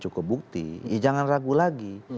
cukup bukti jangan ragu lagi